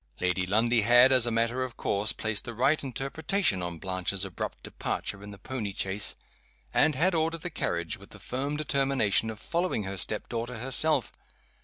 Lady Lundie had, as a matter of course, placed the right interpretation on Blanche's abrupt departure in the pony chaise, and had ordered the carriage, with the firm determination of following her step daughter herself.